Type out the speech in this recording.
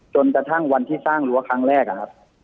จนกระทั่งวันที่สร้างรั้วครั้งแรกอะครับ